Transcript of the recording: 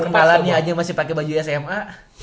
kepalanya aja masih pake baju sma